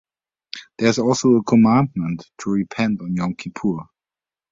There is also a commandment to repent on Yom Kippur.